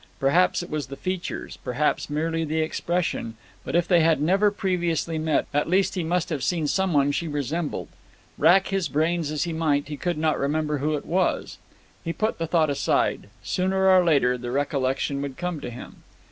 Perhaps it was the features, perhaps merely the expression, but if they had never previously met, at least he must have seen some one she resembled. Rack his brains as he might, he could not remember who it was. He put the thought aside. Sooner or later the recollection would come to him.